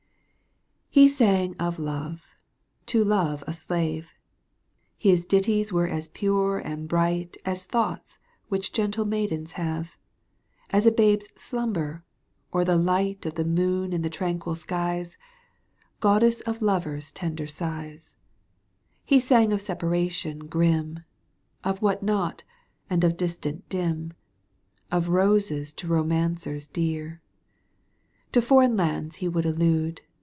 He sang of love — to love a slave. His ditties were as pure and bright As thoughts which gentle maidens have. As a babe's slumber, or the light Digitized by CjOOQ 1С CANTO II. EUGENE ON^GUINE. 43 tU)f the moon in the tranquil skies, Goddess of lovers' tender sig^^ He sang of separation grim, Of what not, and of distance dim,, Of roses to romancers dear ; To foreign lands he would aUude